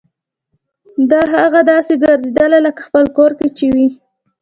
داه اغه داسې ګرځېدله لکه خپل کور چې يې وي.